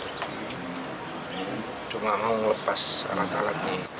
tidak mau melepas alat alatnya